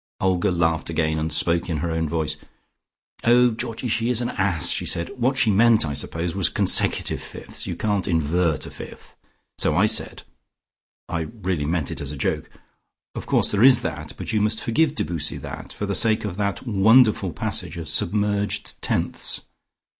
'" Olga laughed again, and spoke in her own voice. "Oh, Georgie, she is an ass," she said. "What she meant I suppose was consecutive fifths; you can't invert a fifth. So I said (I really meant it as a joke), 'Of course there is that, but you must forgive Debussy that for the sake of that wonderful passage of submerged tenths!'